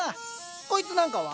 こいつなんかは？